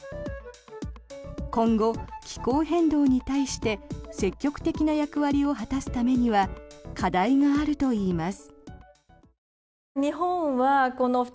今後、気候変動に対して積極的な役割を果たすためには課題があるといいます。